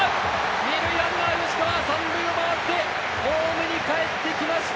２塁ランナー、３塁を回ってホームにかえってきました！